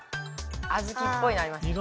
小豆っぽいのありますよ。